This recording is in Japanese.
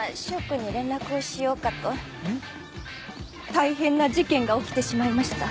大変な事件が起きてしまいました。